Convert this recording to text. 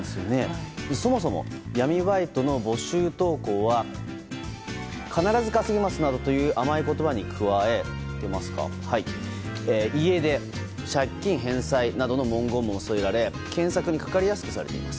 そもそも闇バイトの募集投稿は必ず稼げますなどという甘い言葉に加え家出、借金返済などの文言も添えられ検索にかかりやすくなっています。